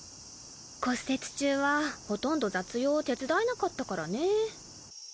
骨折中はほとんど雑用を手伝えなかったからね。